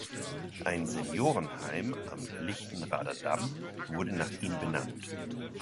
Ein Seniorenheim am Lichtenrader Damm wurde nach ihm benannt.